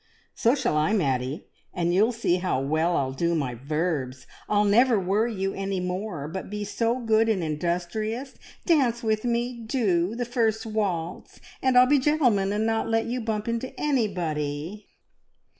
"So shall I, Maddie, and you'll see how well I'll do my verbs! I'll never worry you any more, but be so good and industrious. Dance with me, do, the first waltz, and I'll be gentleman, and not let you bump into anybody!"